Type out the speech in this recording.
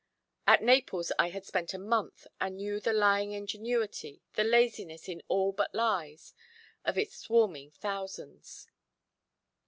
At Naples I had spent a month, and knew the lying ingenuity, the laziness in all but lies, of its swarming thousands.